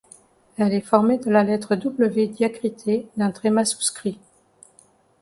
Elle est formée de la lettre W diacritée d’un tréma souscrit.